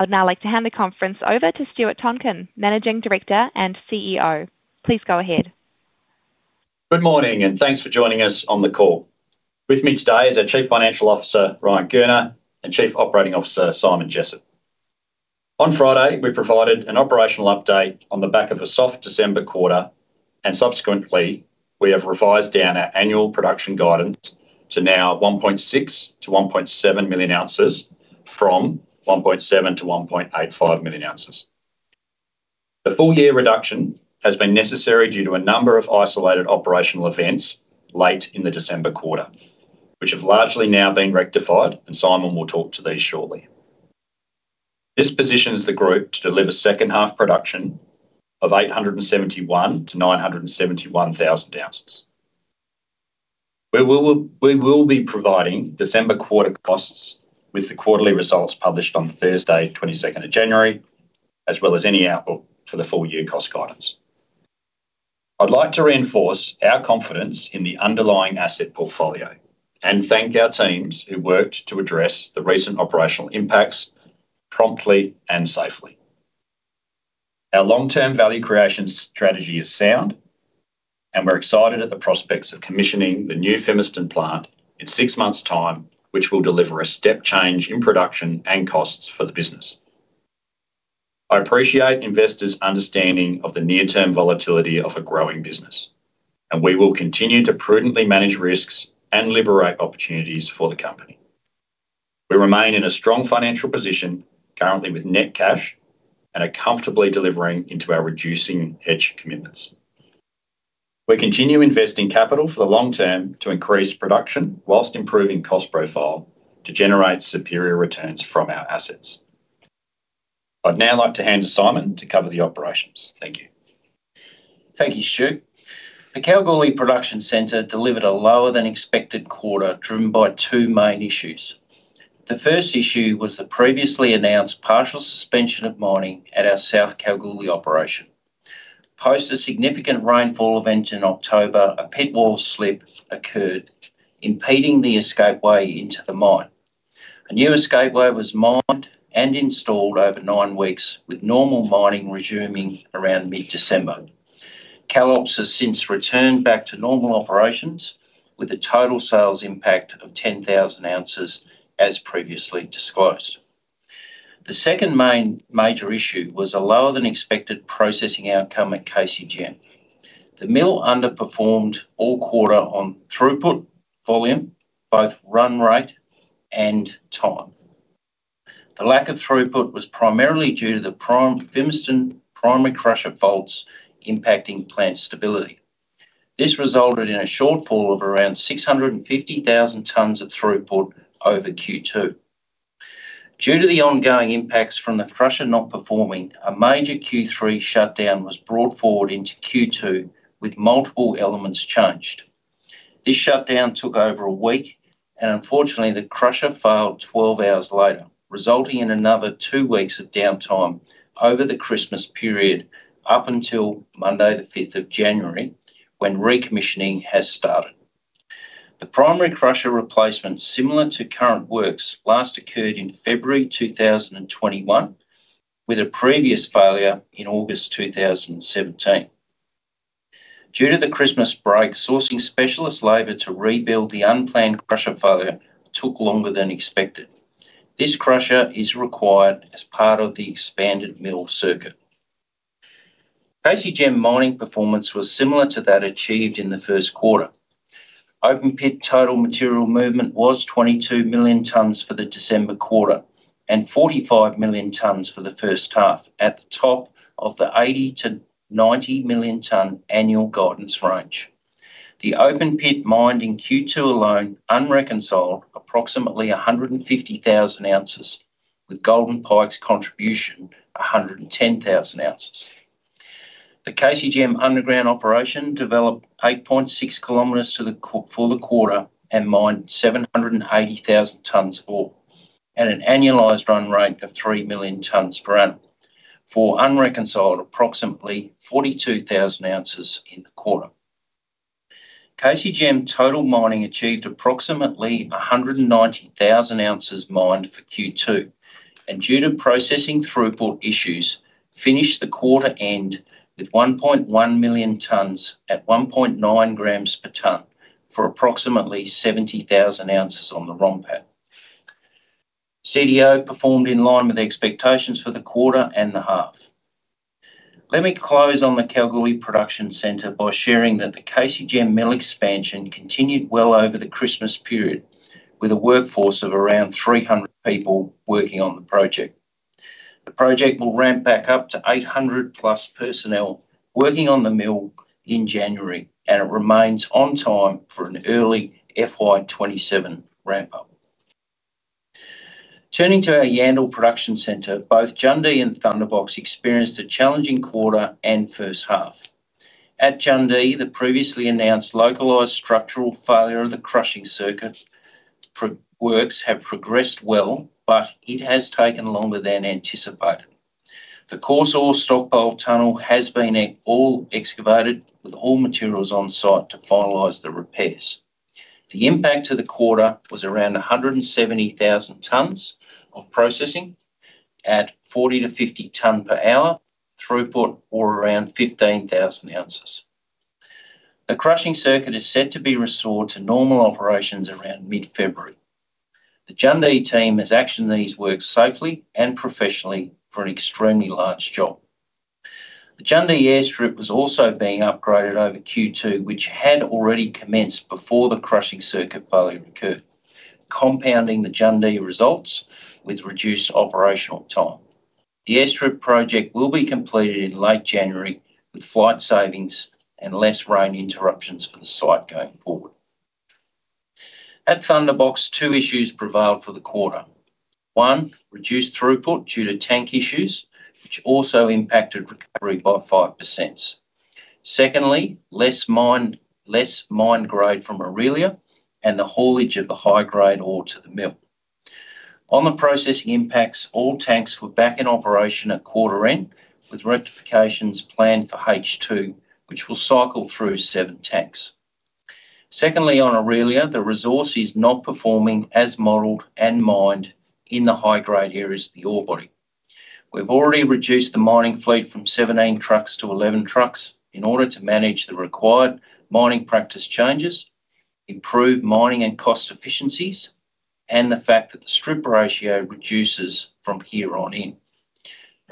I'd now like to hand the conference over to Stuart Tonkin, Managing Director and CEO. Please go ahead. Good morning, and thanks for joining us on the call. With me today is our Chief Financial Officer, Ryan Gurner, and Chief Operating Officer, Simon Jessop. On Friday, we provided an operational update on the back of a soft December quarter, and subsequently, we have revised down our annual production guidance to now 1.6-1.7 million ounces, from 1.7-1.85 million ounces. The full-year reduction has been necessary due to a number of isolated operational events late in the December quarter, which have largely now been rectified, and Simon will talk to these shortly. This positions the group to deliver second-half production of 871,000-971,000 ounces. We will be providing December quarter costs with the quarterly results published on Thursday, 22nd of January, as well as any outlook for the full-year cost guidance. I'd like to reinforce our confidence in the underlying asset portfolio and thank our teams who worked to address the recent operational impacts promptly and safely. Our long-term value creation strategy is sound, and we're excited at the prospects of commissioning the new Fimiston plant in six months' time, which will deliver a step change in production and costs for the business. I appreciate investors' understanding of the near-term volatility of a growing business, and we will continue to prudently manage risks and liberate opportunities for the company. We remain in a strong financial position currently with net cash and are comfortably delivering into our reducing hedge commitments. We continue investing capital for the long term to increase production whilst improving cost profile to generate superior returns from our assets. I'd now like to hand to Simon to cover the operations. Thank you. Thank you, Stuart. The Kalgoorlie Production Centre delivered a lower-than-expected quarter driven by two main issues. The first issue was the previously announced partial suspension of mining at our South Kalgoorlie Operations. Post a significant rainfall event in October, a pit wall slip occurred, impeding the escapeway into the mine. A new escapeway was mined and installed over nine weeks, with normal mining resuming around mid-December. SKO has since returned back to normal operations, with a total sales impact of 10,000 ounces, as previously disclosed. The second major issue was a lower-than-expected processing outcome at KCGM. The mill underperformed all quarter on throughput volume, both run rate and time. The lack of throughput was primarily due to the Fimiston primary crusher faults impacting plant stability. This resulted in a shortfall of around 650,000 tonnes of throughput over Q2. Due to the ongoing impacts from the crusher not performing, a major Q3 shutdown was brought forward into Q2, with multiple elements changed. This shutdown took over a week, and unfortunately, the crusher failed 12 hours later, resulting in another two weeks of downtime over the Christmas period up until Monday, the 5th of January, when recommissioning has started. The primary crusher replacement, similar to current works, last occurred in February 2021, with a previous failure in August 2017. Due to the Christmas break, sourcing specialist labor to rebuild the unplanned crusher failure took longer than expected. This crusher is required as part of the expanded mill circuit. KCGM mining performance was similar to that achieved in the first quarter. Open pit total material movement was 22 million tonnes for the December quarter and 45 million tonnes for the first half, at the top of the 80-90 million-ton annual guidance range. The open pit mined in Q2 alone unreconciled approximately 150,000 ounces, with Golden Pike's contribution 110,000 ounces. The KCGM underground operation developed 8.6 km for the quarter and mined 780,000 tonnes ore, at an annualized run rate of 3 million tonnes per annum for unreconciled approximately 42,000 ounces in the quarter. KCGM total mining achieved approximately 190,000 ounces mined for Q2, and due to processing throughput issues, finished the quarter end with 1.1 million tonnes at 1.9 grams per ton for approximately 70,000 ounces on the ROM pad. CDO performed in line with expectations for the quarter and the half. Let me close on the Kalgoorlie Production Centre by sharing that the KCGM mill expansion continued well over the Christmas period, with a workforce of around 300 people working on the project. The project will ramp back up to 800-plus personnel working on the mill in January, and it remains on time for an early FY27 ramp-up. Turning to our Yandal Production Centre, both Jundee and Thunderbox experienced a challenging quarter and first half. At Jundee, the previously announced localised structural failure of the crushing circuit works have progressed well, but it has taken longer than anticipated. The coarse ore stockpile tunnel has been excavated with all materials on site to finalise the repairs. The impact to the quarter was around 170,000 tonnes of processing at 40-50 ton per hour throughput or around 15,000 ounces. The crushing circuit is set to be restored to normal operations around mid-February. The Jundee team has actioned these works safely and professionally for an extremely large job. The Jundee Airstrip was also being upgraded over Q2, which had already commenced before the crushing circuit failure occurred, compounding the Jundee results with reduced operational time. The Airstrip project will be completed in late January, with flight savings and less rain interruptions for the site going forward. At Thunderbox, two issues prevailed for the quarter. One, reduced throughput due to tank issues, which also impacted recovery by 5%. Secondly, less mine grade from Orelia and the haulage of the high-grade ore to the mill. On the processing impacts, all tanks were back in operation at quarter end, with rectifications planned for H2, which will cycle through seven tanks. Secondly, on Orelia, the resource is not performing as modeled and mined in the high-grade areas of the ore body. We've already reduced the mining fleet from 17 trucks to 11 trucks in order to manage the required mining practice changes, improve mining and cost efficiencies, and the fact that the strip ratio reduces from here on in.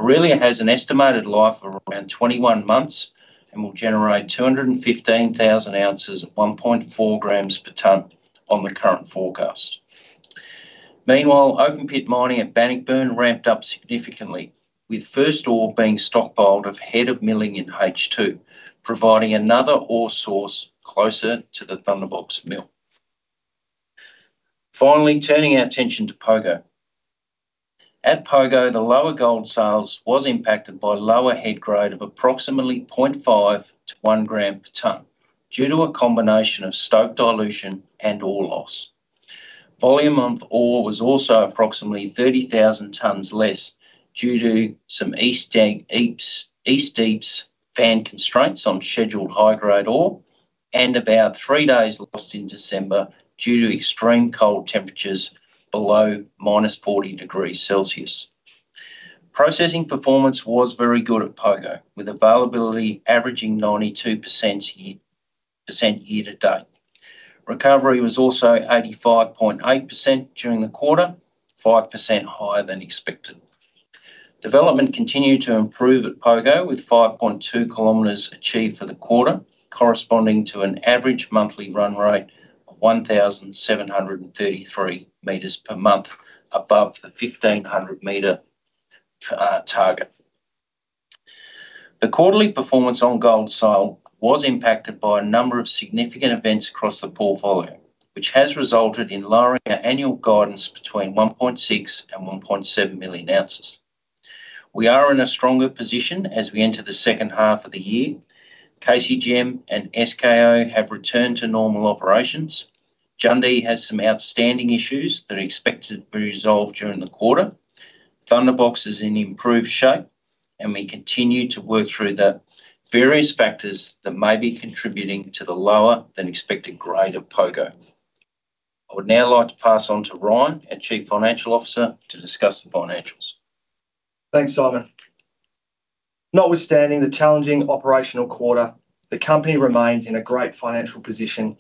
Orelia has an estimated life of around 21 months and will generate 215,000 ounces at 1.4 grams per tonne on the current forecast. Meanwhile, open pit mining at Bannockburn ramped up significantly, with first ore being stockpiled ahead of milling in H2, providing another ore source closer to the Thunderbox mill. Finally, turning our attention to Pogo. At Pogo, the lower gold sales was impacted by lower head grade of approximately 0.5-1 gram per tonne due to a combination of stope dilution and ore loss. Volume of ore was also approximately 30,000 tonnes less due to some East Deeps fan constraints on scheduled high-grade ore and about three days lost in December due to extreme cold temperatures below minus 40 degrees Celsius. Processing performance was very good at Pogo, with availability averaging 92% year to date. Recovery was also 85.8% during the quarter, 5% higher than expected. Development continued to improve at Pogo, with 5.2 km achieved for the quarter, corresponding to an average monthly run rate of 1,733 metres per month, above the 1,500-meter target. The quarterly performance on gold sales was impacted by a number of significant events across the portfolio, which has resulted in lowering our annual guidance between 1.6 and 1.7 million ounces. We are in a stronger position as we enter the second half of the year. KCGM and SKO have returned to normal operations. Jundee has some outstanding issues that are expected to be resolved during the quarter. Thunderbox is in improved shape, and we continue to work through the various factors that may be contributing to the lower-than-expected grade of Pogo. I would now like to pass on to Ryan, our Chief Financial Officer, to discuss the financials. Thanks, Simon. Notwithstanding the challenging operational quarter, the company remains in a great financial position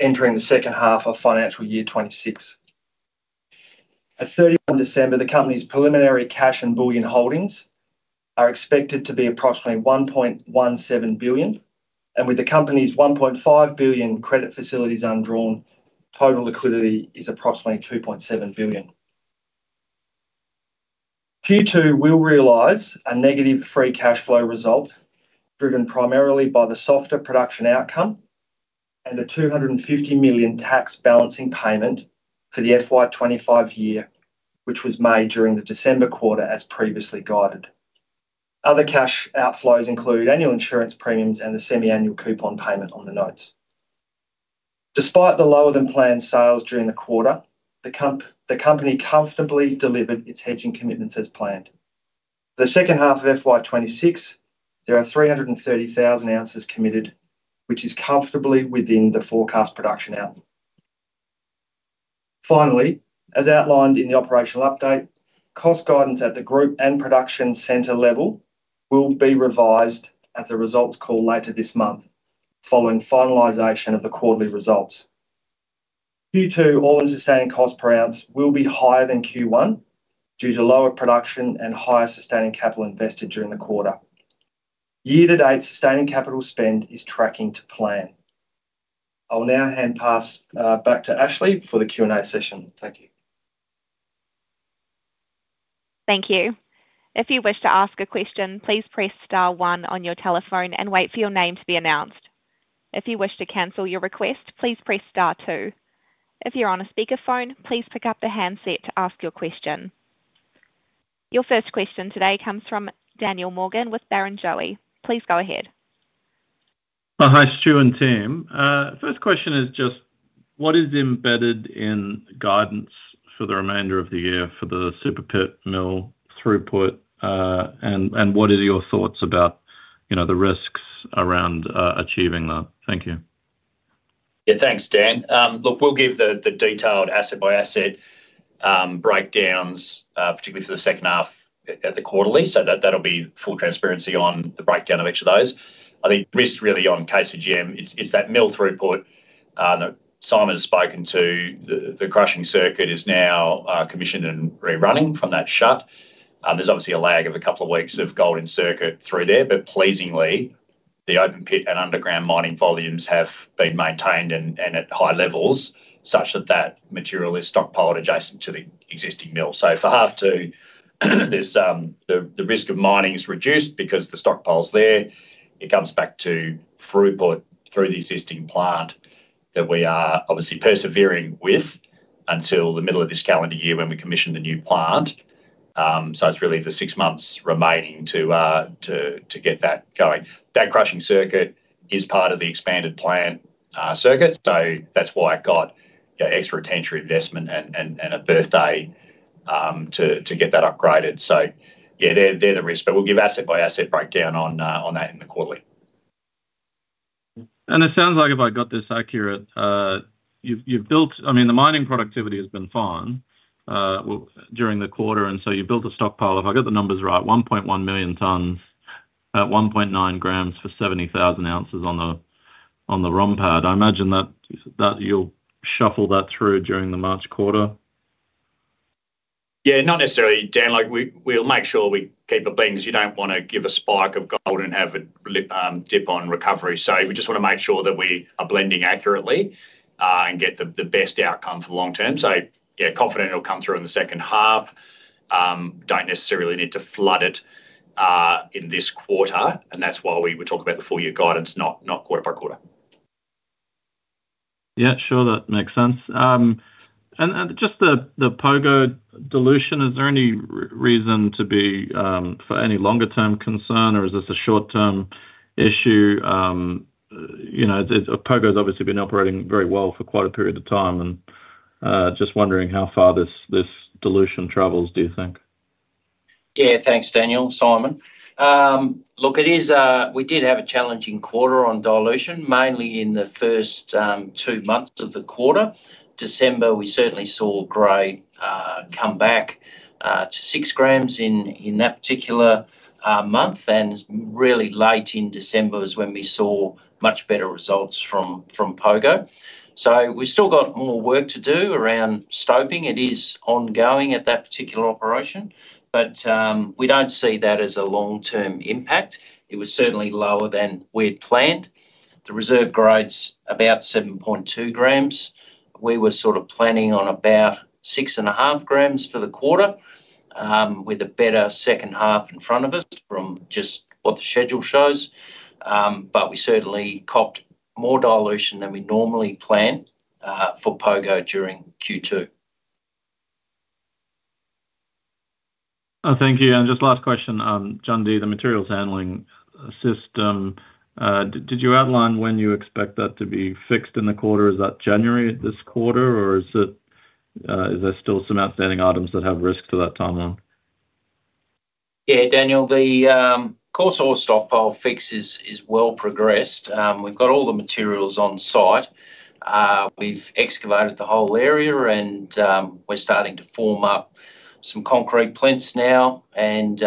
entering the second half of financial year 2026. At 31 December, the company's preliminary cash and bullion holdings are expected to be approximately 1.17 billion, and with the company's 1.5 billion credit facilities undrawn, total liquidity is approximately 2.7 billion. Q2, we'll realise a negative free cash flow result driven primarily by the softer production outcome and a AUD 250 million tax balancing payment for the FY 2025 year, which was made during the December quarter, as previously guided. Other cash outflows include annual insurance premiums and the semi-annual coupon payment on the notes. Despite the lower-than-planned sales during the quarter, the company comfortably delivered its hedging commitments as planned. For the second half of FY 2026, there are 330,000 ounces committed, which is comfortably within the forecast production outcome. Finally, as outlined in the operational update, cost guidance at the Group and Production Centre level will be revised at the results call later this month, following finalization of the quarterly results. Q2 all-in sustaining cost per ounce will be higher than Q1 due to lower production and higher sustaining capital invested during the quarter. Year-to-date, sustaining capital spend is tracking to plan. I'll now hand pass back to Ashley for the Q&A session. Thank you. Thank you. If you wish to ask a question, please press star one on your telephone and wait for your name to be announced. If you wish to cancel your request, please press star two. If you're on a speakerphone, please pick up the handset to ask your question. Your first question today comes from Daniel Morgan with Barrenjoey. Please go ahead. Hi, Stuart and team. First question is just, what is embedded in guidance for the remainder of the year for the Super Pit mill throughput, and what are your thoughts about the risks around achieving that? Thank you. Yeah, thanks, Dan. Look, we'll give the detailed asset-by-asset breakdowns, particularly for the second half of the quarterly, so that'll be full transparency on the breakdown of each of those. I think the risk really on KCGM, it's that mill throughput. Simon's spoken to, the crushing circuit is now commissioned and rerunning from that shutdown. There's obviously a lag of a couple of weeks of crushing circuit through there, but pleasingly, the open pit and underground mining volumes have been maintained and at high levels such that that material is stockpiled adjacent to the existing mill. So for half two, the risk of mining is reduced because the stockpile's there. It comes back to throughput through the existing plant that we are obviously persevering with until the middle of this calendar year when we commission the new plant. So it's really the six months remaining to get that going. That crushing circuit is part of the expanded plant circuit, so that's why it got extra attention, investment, and a bit of a to get that upgraded, so yeah, that's the risk, but we'll give asset-by-asset breakdown on that in the quarterly. It sounds like, if I got this accurate, you've built, I mean, the mining productivity has been fine during the quarter, and so you built a stockpile. If I got the numbers right, 1.1 million tonnes, 1.9 grams for 70,000 ounces on the ROM pad. I imagine that you'll shuffle that through during the March quarter. Yeah, not necessarily, Dan. We'll make sure we keep it blending because you don't want to give a spike of gold and have it dip on recovery. So we just want to make sure that we are blending accurately and get the best outcome for long term. So yeah, confident it'll come through in the second half. Don't necessarily need to flood it in this quarter, and that's why we talk about the full year guidance, not quarter by quarter. Yeah, sure. That makes sense. And just the Pogo dilution, is there any reason to be for any longer-term concern, or is this a short-term issue? Pogo's obviously been operating very well for quite a period of time, and just wondering how far this dilution travels, do you think? Yeah, thanks, Daniel, Simon. Look, we did have a challenging quarter on dilution, mainly in the first two months of the quarter. December, we certainly saw grade come back to six grams in that particular month, and really late in December is when we saw much better results from Pogo. So we've still got more work to do around stoping. It is ongoing at that particular operation, but we don't see that as a long-term impact. It was certainly lower than we'd planned. The reserve grade's about 7.2 grams. We were sort of planning on about six and a half grams for the quarter, with a better second half in front of us from just what the schedule shows. But we certainly copped more dilution than we normally plan for Pogo during Q2. Thank you. And just last question, Jundee, the materials handling system, did you outline when you expect that to be fixed in the quarter? Is that January this quarter, or is there still some outstanding items that have risks to that timeline? Yeah, Daniel, the coarse ore stockpile fix is well progressed. We've got all the materials on site. We've excavated the whole area, and we're starting to form up some concrete plinths now, and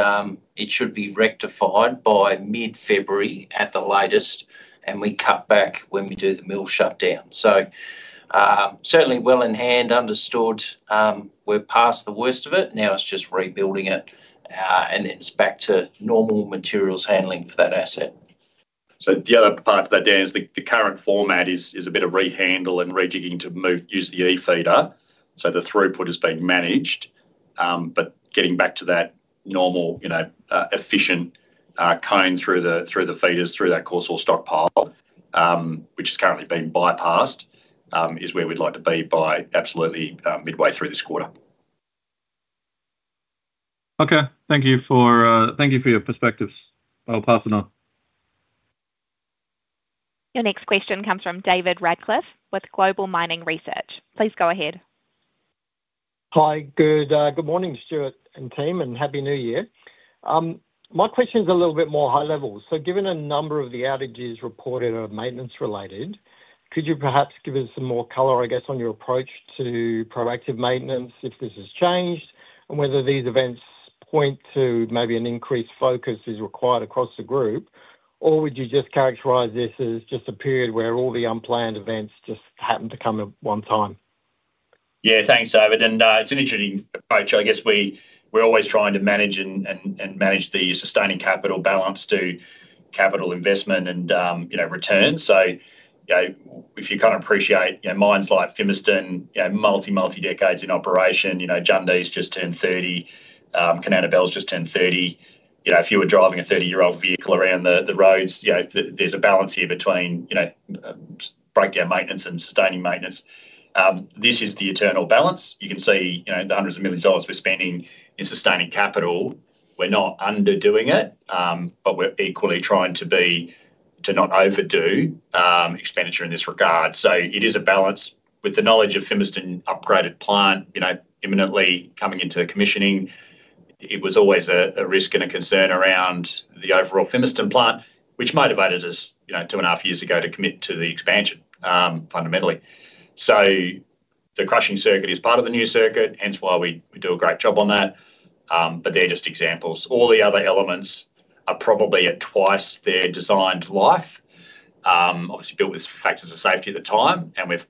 it should be rectified by mid-February at the latest, and we cut back when we do the mill shutdown. So certainly well in hand, understood. We're past the worst of it. Now it's just rebuilding it, and it's back to normal materials handling for that asset. So the other part of that, Dan, is the current format is a bit of rehandle and rejigging to use the E-feeder. So the throughput has been managed, but getting back to that normal, efficient flow through the feeders, through that coarse ore stockpile, which has currently been bypassed, is where we'd like to be by absolutely midway through this quarter. Okay. Thank you for your perspectives. I'll pass it on. Your next question comes from David Radclyffe with Global Mining Research. Please go ahead. Hi, good morning, Stuart and team, and happy New Year. My question's a little bit more high level. So given a number of the outages reported are maintenance-related, could you perhaps give us some more color, I guess, on your approach to proactive maintenance if this has changed, and whether these events point to maybe an increased focus is required across the group, or would you just characterize this as just a period where all the unplanned events just happen to come at one time? Yeah, thanks, David. And it's an interesting approach. I guess we're always trying to manage the sustaining capital balance to capital investment and return. So if you kind of appreciate mines like Fimiston, multi-decades in operation, Jundee's just turned 30, Kanowna Belle's just turned 30. If you were driving a 30-year-old vehicle around the roads, there's a balance here between breakdown maintenance and sustaining maintenance. This is the eternal balance. You can see the hundreds of millions of dollars we're spending in sustaining capital. We're not underdoing it, but we're equally trying to not overdo expenditure in this regard. So it is a balance. With the knowledge of Fimiston upgraded plant imminently coming into commissioning, it was always a risk and a concern around the overall Fimiston plant, which motivated us two and a half years ago to commit to the expansion, fundamentally. So the crushing circuit is part of the new circuit, hence why we do a great job on that. But they're just examples. All the other elements are probably at twice their designed life. Obviously, built this for factors of safety at the time, and we've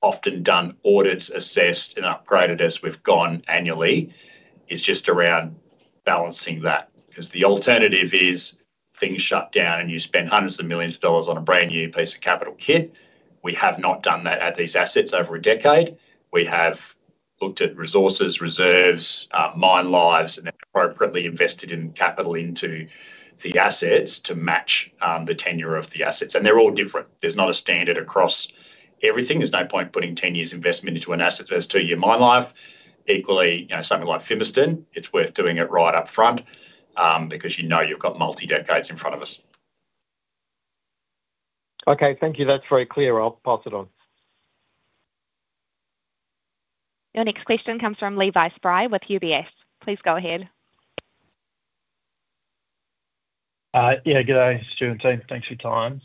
often done audits, assessed, and upgraded as we've gone annually. It's just around balancing that because the alternative is things shut down and you spend hundreds of millions of dollars on a brand new piece of capital kit. We have not done that at these assets over a decade. We have looked at resources, reserves, mine lives, and appropriately invested in capital into the assets to match the tenure of the assets. And they're all different. There's not a standard across everything. There's no point putting 10 years investment into an asset that has two-year mine life. Equally, something like Fimiston, it's worth doing it right up front because you know you've got multi-decades in front of us. Okay, thank you. That's very clear. I'll pass it on. Your next question comes from Levi Spry with UBS. Please go ahead. Yeah, good day, Stuart and team. Thanks for your time.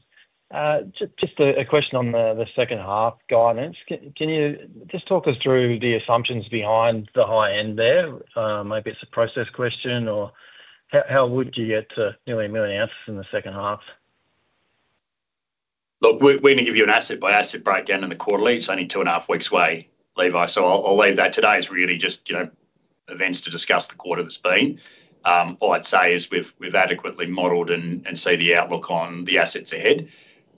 Just a question on the second half guidance. Can you just talk us through the assumptions behind the high end there? Maybe it's a process question, or how would you get to nearly a million ounces in the second half? Look, we're going to give you an asset-by-asset breakdown in the quarterly. It's only two and a half weeks away, Levi, so I'll leave that today as really just events to discuss the quarter that's been. All I'd say is we've adequately modeled and see the outlook on the assets ahead.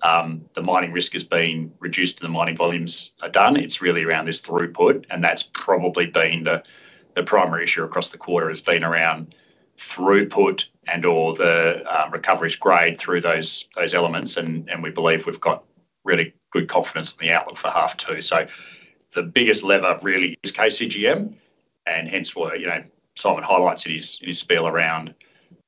The mining risk has been reduced and the mining volumes are done. It's really around this throughput, and that's probably been the primary issue across the quarter, has been around throughput and/or the recovery's grade through those elements, and we believe we've got really good confidence in the outlook for half two, so the biggest lever really is KCGM, and hence why Simon highlights it in his spiel around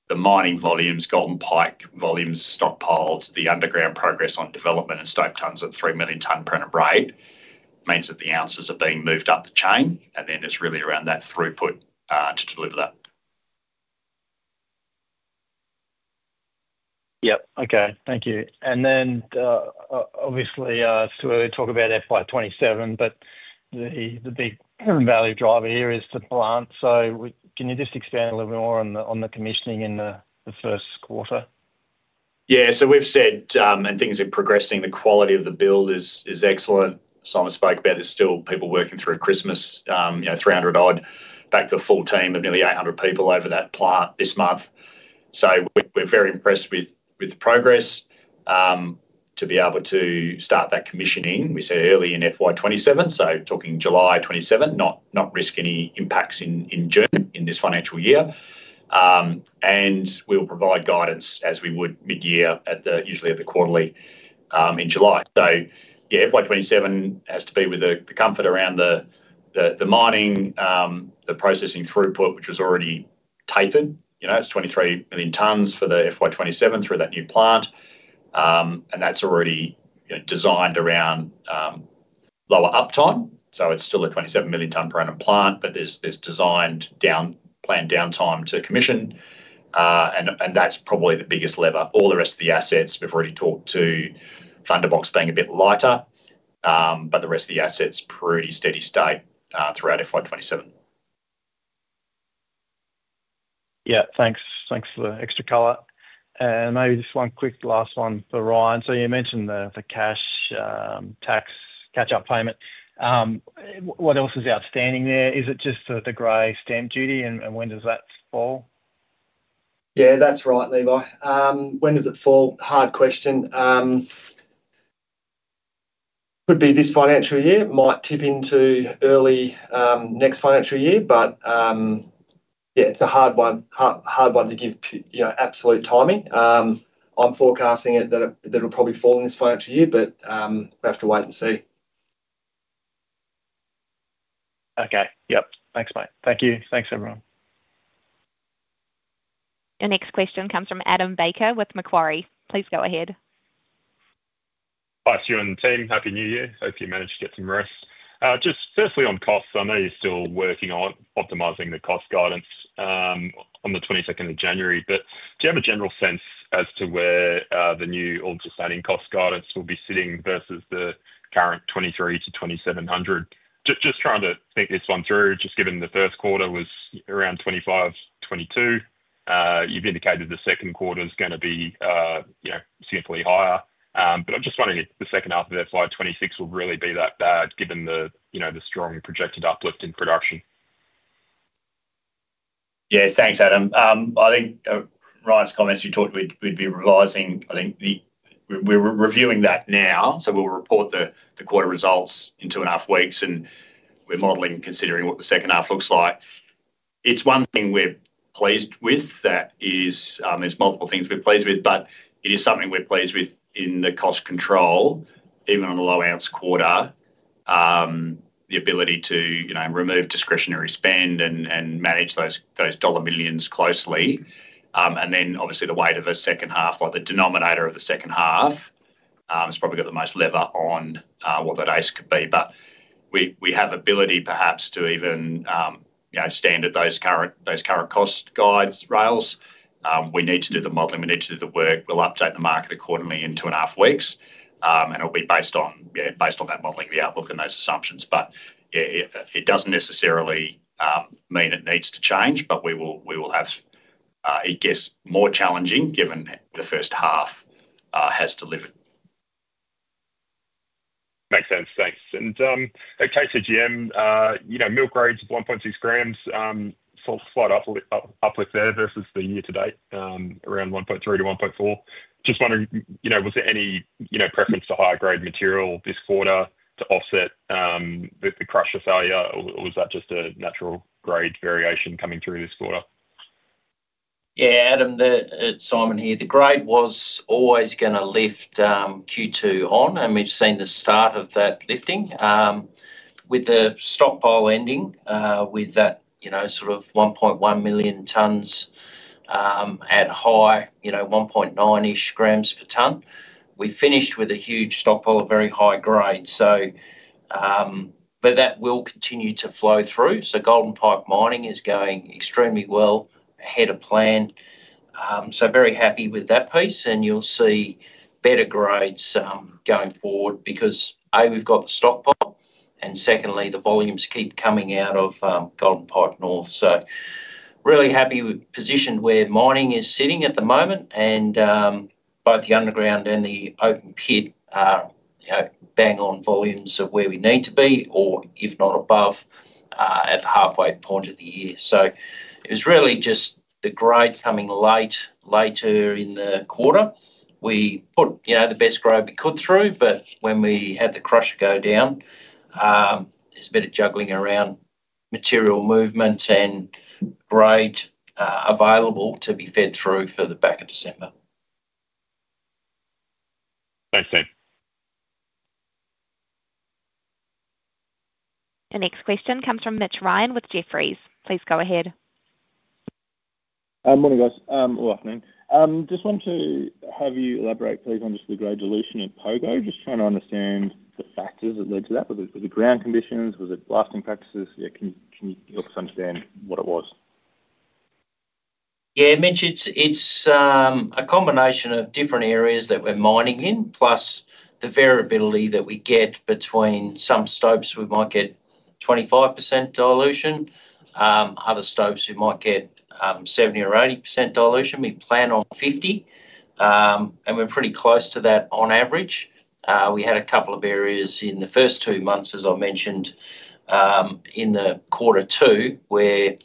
the mining volumes, Golden Pike volumes, stockpiles, the underground progress on development and stope tonnes at 3 million tonne per year rate. It means that the ounces are being moved up the chain, and then it's really around that throughput to deliver that. Yep. Okay. Thank you. And then obviously, Stuart, we talk about FY27, but the big value driver here is the plant. So can you just expand a little bit more on the commissioning in the first quarter? Yeah. So we've said, and things are progressing, the quality of the build is excellent. Simon spoke about there's still people working through Christmas, 300-odd, back to a full team of nearly 800 people over that plant this month. So we're very impressed with the progress to be able to start that commissioning. We said early in FY27, so talking July 27th, not risk any impacts in June in this financial year. And we'll provide guidance as we would mid-year, usually at the quarterly in July. So yeah, FY27 has to be with the comfort around the mining, the processing throughput, which was already tapered. It's 23 million tonnes for the FY27 through that new plant. And that's already designed around lower uptime. So it's still a 27 million ton per annum plant, but there's designed planned downtime to commission. And that's probably the biggest lever. All the rest of the assets, we've already talked to Thunderbox being a bit lighter, but the rest of the assets are pretty steady state throughout FY27. Yeah. Thanks for the extra color. And maybe just one quick last one for Ryan. So you mentioned the cash tax catch-up payment. What else is outstanding there? Is it just the gray stamp duty, and when does that fall? Yeah, that's right, Levi. When does it fall? Hard question. Could be this financial year. Might tip into early next financial year, but yeah, it's a hard one to give absolute timing. I'm forecasting it that it'll probably fall in this financial year, but we'll have to wait and see. Okay. Yep. Thanks, mate. Thank you. Thanks, everyone. Your next question comes from Adam Baker with Macquarie. Please go ahead. Hi, Stuart and team. Happy New Year. Hope you managed to get some rest. Just firstly on costs, I know you're still working on optimizing the cost guidance on the 22nd of January, but do you have a general sense as to where the new all-in sustaining cost guidance will be sitting versus the current 2,300-2,700? Just trying to think this one through, just given the first quarter was around 2,522. You've indicated the second quarter is going to be significantly higher, but I'm just wondering if the second half of FY26 will really be that bad given the strong projected uplift in production. Yeah. Thanks, Adam. I think Ryan's comments you talked with would be revising. I think we're reviewing that now, so we'll report the quarter results in two and a half weeks, and we're modeling and considering what the second half looks like. It's one thing we're pleased with that is there's multiple things we're pleased with, but it is something we're pleased with in the cost control, even on a low-ounce quarter, the ability to remove discretionary spend and manage those dollar millions closely. And then obviously the weight of a second half, like the denominator of the second half, has probably got the most lever on what that AISC could be. But we have ability perhaps to even stand at those current cost guide rails. We need to do the modeling. We need to do the work. We'll update the market accordingly in two and a half weeks, and it'll be based on that modeling, the outlook, and those assumptions. But it doesn't necessarily mean it needs to change, but we will have it gets more challenging given the first half has to live. Makes sense. Thanks. And KCGM, mill grade's 1.6 grams, slight uplift there versus the year to date, around 1.3-1.4. Just wondering, was there any preference to higher grade material this quarter to offset the crusher failure, or was that just a natural grade variation coming through this quarter? Yeah, Adam, Simon here. The grade was always going to lift Q2 on, and we've seen the start of that lifting. With the stockpile ending, with that sort of 1.1 million tonnes at high 1.9-ish grams per tonne, we finished with a huge stockpile of very high grade. But that will continue to flow through. So Golden Pike mining is going extremely well ahead of plan. So very happy with that piece, and you'll see better grades going forward because, A, we've got the stockpile, and secondly, the volumes keep coming out of Golden Pike North. So really happy with position where mining is sitting at the moment, and both the underground and the open pit are bang-on volumes of where we need to be, or if not above, at the halfway point of the year. So it was really just the grade coming late in the quarter. We put the best grade we could through, but when we had the crusher go down, it's a bit of juggling around material movement and grade available to be fed through for the back of December. Thanks, team. Your next question comes from Mitch Ryan with Jefferies. Please go ahead. Morning, guys. Good afternoon. Just want to have you elaborate, please, on just the grade dilution at Pogo, just trying to understand the factors that led to that. Was it ground conditions? Was it blasting practices? Can you help us understand what it was? Yeah. Mitch, it's a combination of different areas that we're mining in, plus the variability that we get between some stopes. We might get 25% dilution. Other stopes, we might get 70%-80% dilution. We plan on 50%, and we're pretty close to that on average. We had a couple of areas in the first two months, as I mentioned, in quarter two, where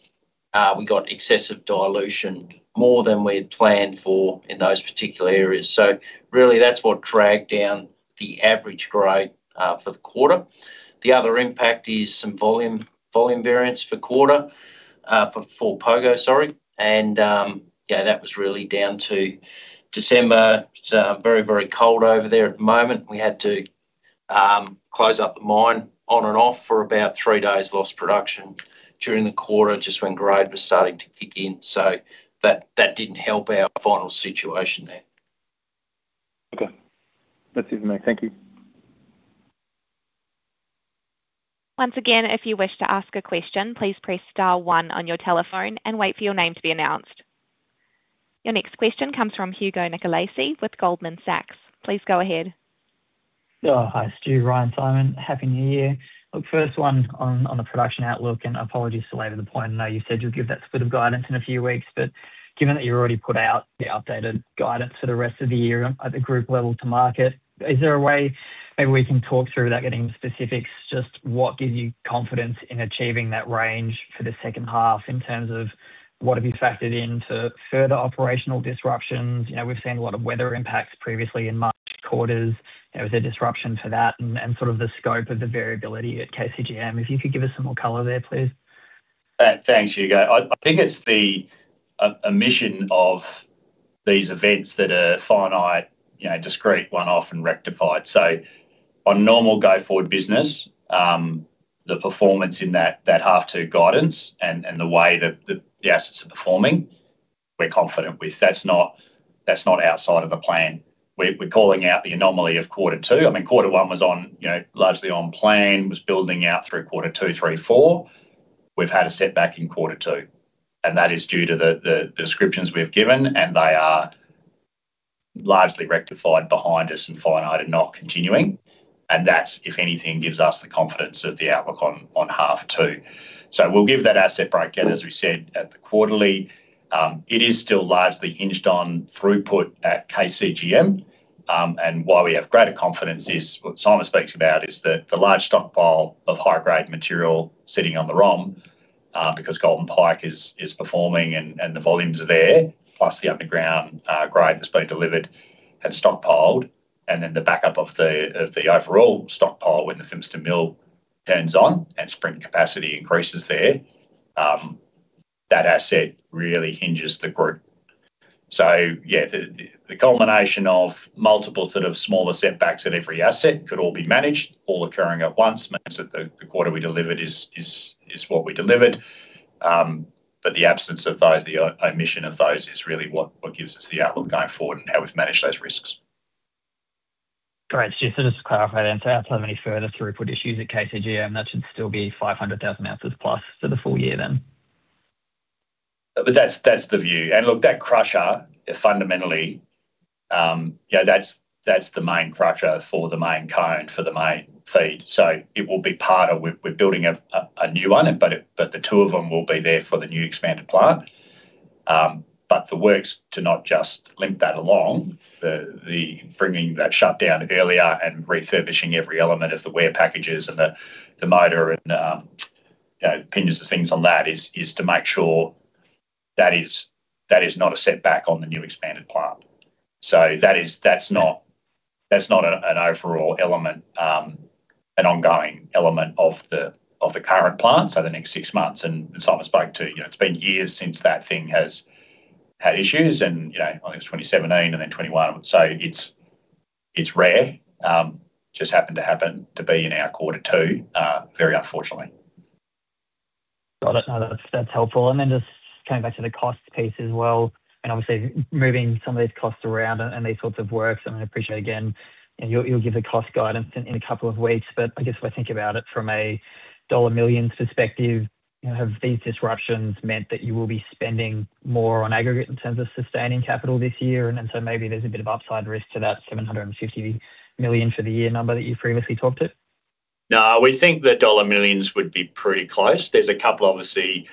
we got excessive dilution, more than we had planned for in those particular areas. So really, that's what dragged down the average grade for the quarter. The other impact is some volume variance for quarter for Pogo, sorry. And that was really down to December. It's very, very cold over there at the moment. We had to close up the mine on and off for about three days lost production during the quarter, just when grade was starting to kick in. That didn't help our final situation there. Okay. That's it for me. Thank you. Once again, if you wish to ask a question, please press star one on your telephone and wait for your name to be announced. Your next question comes from Hugo Nicolaci with Goldman Sachs. Please go ahead. Hi, Stuart, Ryan, Simon. Happy New Year. Look, first one on the production outlook, and apologies to belabor the point. I know you said you'll give that split of guidance in a few weeks, but given that you already put out the updated guidance for the rest of the year at the group level to market, is there a way maybe we can talk through that, getting the specifics, just what gives you confidence in achieving that range for the second half in terms of what have you factored into further operational disruptions? We've seen a lot of weather impacts previously in March quarters. There was a disruption for that and sort of the scope of the variability at KCGM. If you could give us some more color there, please. Thanks, Hugo. I think it's the omission of these events that are finite, discrete, one-off, and rectified. So on normal go-forward business, the performance in that half two guidance and the way that the assets are performing, we're confident with. That's not outside of the plan. We're calling out the anomaly of quarter two. I mean, quarter one was largely on plan, was building out through quarter two, three, four. We've had a setback in quarter two, and that is due to the descriptions we've given, and they are largely rectified behind us and finite and not continuing. And that's, if anything, gives us the confidence of the outlook on half two. So we'll give that asset breakdown, as we said, at the quarterly. It is still largely hinged on throughput at KCGM. Why we have greater confidence is what Simon speaks about is the large stockpile of high-grade material sitting on the ROM because Golden Pike is performing and the volumes are there, plus the underground grade that's being delivered and stockpiled. Then the backup of the overall stockpile when the Fimiston mill turns on and surge capacity increases there, that asset really hinges the group. Yeah, the culmination of multiple sort of smaller setbacks at every asset could all be managed, all occurring at once, means that the quarter we delivered is what we delivered. The absence of those, the omission of those is really what gives us the outlook going forward and how we've managed those risks. Great. Stuart, so just to clarify that, so that's how many further throughput issues at KCGM? That should still be 500,000 ounces plus for the full year then. But that's the view. And look, that crusher, fundamentally, that's the main crusher for the main cone, for the main feed. So it will be part of we're building a new one, but the two of them will be there for the new expanded plant. But the work's to not just limp that along, bringing that shut down earlier and refurbishing every element of the wear packages and the motor and pinions and things on that is to make sure that is not a setback on the new expanded plant. So that's not an overall element, an ongoing element of the current plant over the next six months. And Simon spoke to, it's been years since that thing has had issues, and I think it was 2017 and then 2021. So it's rare. It just happened to happen to be in our quarter two, very unfortunately. Got it. That's helpful. And then just coming back to the cost piece as well, and obviously moving some of these costs around and these sorts of works, and I appreciate again, you'll give the cost guidance in a couple of weeks, but I guess if I think about it from a dollar millions perspective, have these disruptions meant that you will be spending more on aggregate in terms of sustaining capital this year? And so maybe there's a bit of upside risk to that 750 million for the year number that you previously talked to? No, we think that dollar millions would be pretty close. There's a couple, obviously,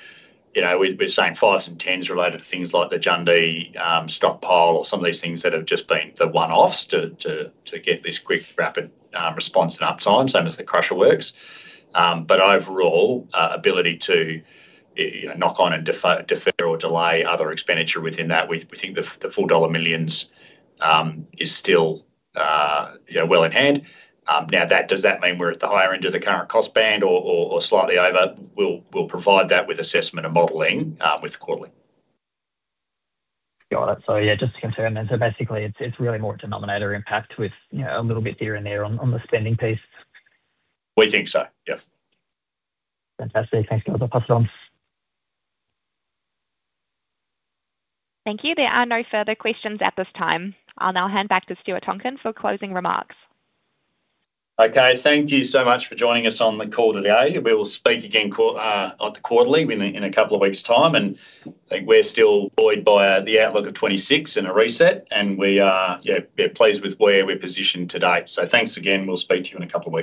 we're saying fives and tens related to things like the Jundee stockpile or some of these things that have just been the one-offs to get this quick, rapid response and uptime, same as the crusher works. But overall, ability to knock on and defer or delay other expenditure within that, we think the full dollar millions is still well in hand. Now, does that mean we're at the higher end of the current cost band or slightly over? We'll provide that with assessment and modeling with quarterly. Got it. So yeah, just to confirm then, so basically, it's really more denominator impact with a little bit here and there on the spending piece. We think so, yep. Fantastic. Thanks, guys. I'll pass it on. Thank you. There are no further questions at this time. I'll now hand back to Stuart Tonkin for closing remarks. Okay. Thank you so much for joining us on the call today. We will speak again quarterly in a couple of weeks' time, and we're still buoyed by the outlook of 2026 and a reset, and we're pleased with where we're positioned today, so thanks again. We'll speak to you in a couple of.